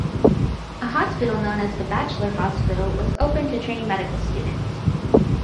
A hospital known as the Batchelor Hospital was opened to train medical students.